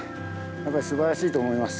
やっぱりすばらしいと思います。